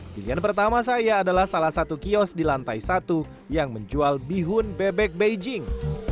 pilihan pertama saya adalah salah satu kios di lantai satu yang menjual bihun bebek beijing